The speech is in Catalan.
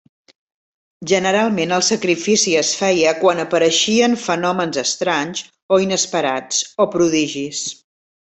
Generalment el sacrifici es feia quan apareixien fenòmens estranys o inesperats, o prodigis.